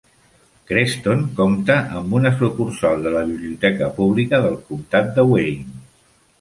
Creston compta amb una sucursal de la biblioteca pública del comtat de Wayne.